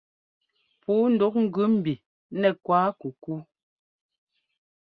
Pǔu ndúk gʉ mbi nɛ́ kuákukú.